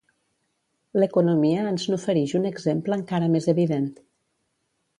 L'economia ens n'oferix un exemple encara més evident.